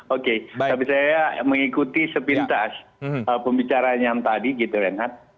oke tapi saya mengikuti sepintas pembicaraan yang tadi gitu renhat